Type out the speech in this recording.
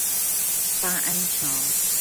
八安橋